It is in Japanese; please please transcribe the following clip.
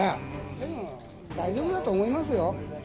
でも、大丈夫だと思いますよ。